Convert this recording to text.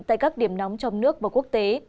tại các điểm nóng trong nước và quốc tế